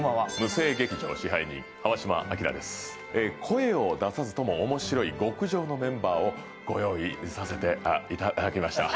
声を出さずとも面白い極上のメンバーをご用意させてあっいただきました。